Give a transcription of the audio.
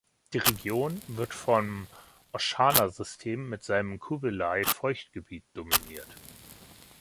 Die Region wird vom Oshana-System mit seinem Cuvelai-Feuchtgebiet dominiert.